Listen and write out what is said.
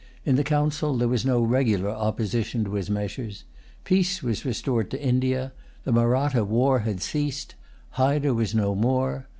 In the Council there was no regular opposition to his measures. Peace was restored to India. The Mahratta war had ceased. Hyder was no more.